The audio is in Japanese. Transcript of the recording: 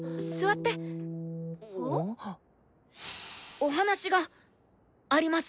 お話があります！